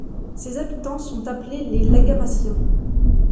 Ses habitants sont appelés les Lagamasiens.